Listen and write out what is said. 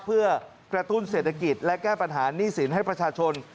เพื่อกระตุ้นเศรษฐกิจและแก้ปัญหาหนี้สินให้ประชาชน